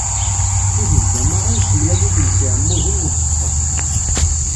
Tigejda meṛṛa yessemlal-itent s yeɛmuden n lfeṭṭa.